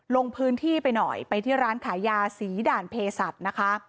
ลงพื้นที่ไปหน่อยไปที่ร้านขายยาศรีด่านเพศัตริย์นะคะ